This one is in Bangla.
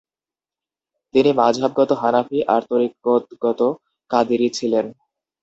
তিনি মাযহাবগত হানাফি আর তরিকতগত কাদেরী ছিলেন।